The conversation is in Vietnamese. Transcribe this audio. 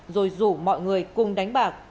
rồi rủ mọi người cùng đánh bạc